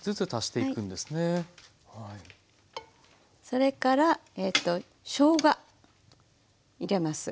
それからしょうが入れます。